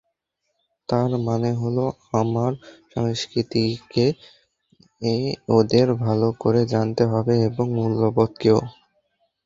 তার মানে হলো, আমার সংস্কৃতিকে ওদের ভালো করে জানতে হবে এবং মূল্যবোধকেও।